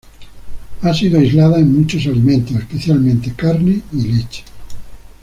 Ha sido aislada en muchos alimentos, especialmente carne y leche.